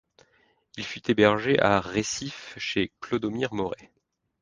Il fut hébergé à Recife chez Clodomir Morais.